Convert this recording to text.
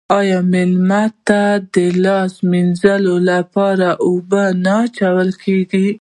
آیا میلمه ته د لاس مینځلو لپاره اوبه نه اچول کیږي؟